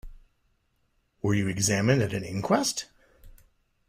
Were you examined at an inquest?